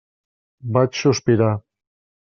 Vaig sospirar.